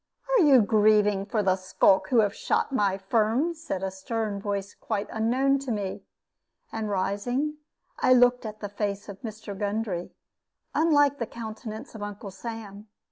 "Are you grieving for the skulk who has shot my Firm?" said a stern voice quite unknown to me; and rising, I looked at the face of Mr. Gundry, unlike the countenance of Uncle Sam.